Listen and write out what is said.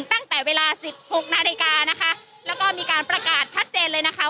ตั้งแต่เวลาสิบหกนาฬิกานะคะแล้วก็มีการประกาศชัดเจนเลยนะคะ